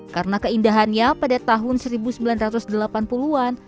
karena keindahannya pada tahun seribu sembilan ratus delapan puluh an